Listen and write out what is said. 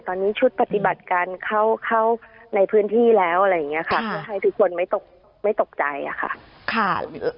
ตอนนี้ชุดปฏิบัติการเข้านะในพื้นที่แล้วถ้าใครทุกคนไม่ตกใจค่ะ